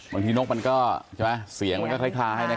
บางทีนกมันก็ใช่ไหมเสียงมันก็คล้ายให้นะครับ